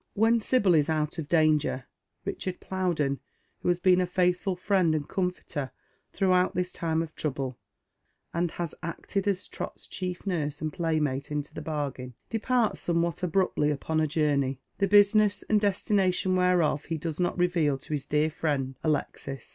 When Sibyl is out of danger, Richard Plowden, who has been a faithful friend and comforter throughout this time of trouble, and has acted as Trot's chief nurse and playmate into the bargain, departs somewhat abruptly upon a journey, the business and destination whereof he does not reveal to his dear friend Alexis.